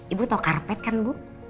ibu tahu karpet kan bu